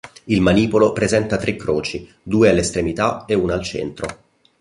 Il manipolo presenta tre croci, due alle estremità ed una al centro.